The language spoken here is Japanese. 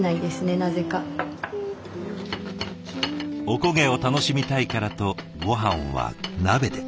お焦げを楽しみたいからとごはんは鍋で。